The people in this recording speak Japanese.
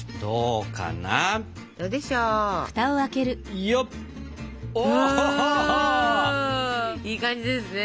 いい感じですね！